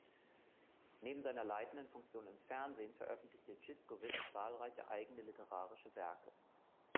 Neben seiner leitenden Funktion im Fernsehen veröffentlichte Szyszkowitz zahlreiche eigene literarische Werke.